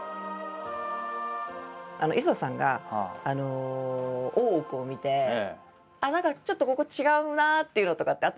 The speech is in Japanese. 磯田さんが「大奥」を見て何かちょっとここ違うなっていうのとかってあったんですか？